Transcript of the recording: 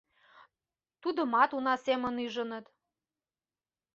Тудымат уна семын ӱжыныт.